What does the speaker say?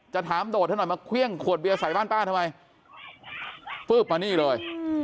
ถามโดดให้หน่อยมาเครื่องขวดเบียร์ใส่บ้านป้าทำไมฟืบมานี่เลย